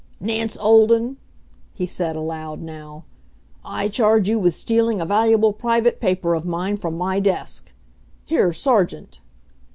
"Nance Olden," he said aloud now, "I charge you with stealing a valuable private paper of mine from my desk. Here, Sergeant!"